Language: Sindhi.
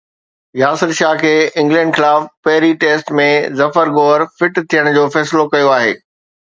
ياسر شاهه کي انگلينڊ خلاف پهرين ٽيسٽ ۾ ظفر گوهر فٽ ٿيڻ جو فيصلو ڪيو آهي